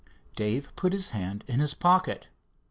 Dave put his hand in his pocket.